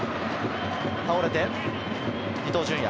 倒れて伊東純也。